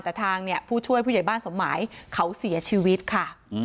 แต่ทางเนี่ยผู้ช่วยผู้ใหญ่บ้านสมหมายเขาเสียชีวิตค่ะ